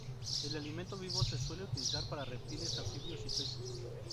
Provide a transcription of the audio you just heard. El alimento vivo se suele utilizar para reptiles, anfibios y peces.